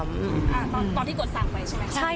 ตอนที่กดสั่งไปใช่ไหมคะ